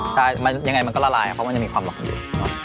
ใช่ยังไงมันก็ละลายเพราะมันจะมีความหล่นอยู่